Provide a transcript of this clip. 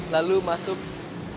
lalu masuk ke cibugur